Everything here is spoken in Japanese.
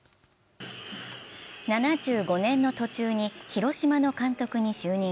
７５年の途中に広島の監督に就任。